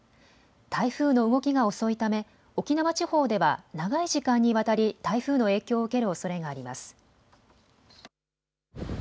台風の動きが遅いため沖縄地方では長い時間にわたり台風の影響を受けるおそれがあります。